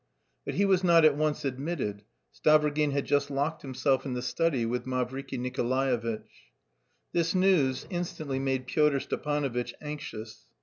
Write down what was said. But he was not at once admitted: Stavrogin had just locked himself in the study with Mavriky Nikolaevitch. This news instantly made Pyotr Stepanovitch anxious.